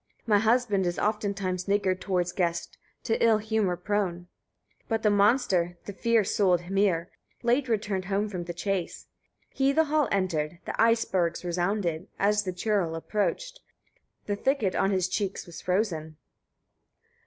My husband is oftentimes niggard towards guests, to ill humour prone." 10. But the monster, the fierce souled Hymir, late returned home from the chase. He the hall entered, the icebergs resounded, as the churl approached; the thicket on his cheeks was frozen.